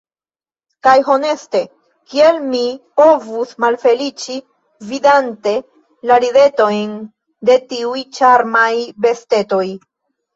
Kaj honeste, kiel mi povus malfeliĉi vidante la ridetojn de tiuj ĉarmaj bestetoj?